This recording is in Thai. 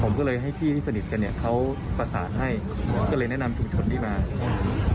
ผมก็เลยให้พี่ที่สนิทกันเนี่ยเขาประสานให้ก็เลยแนะนำชุมชนนี้มาอืม